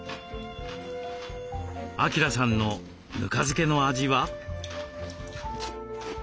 明さんのぬか漬けの味は？